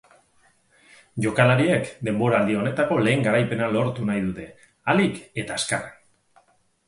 Jokalriek denboraldi honetako lehen garaipena lortu nahi dute ahalik eta azkarren.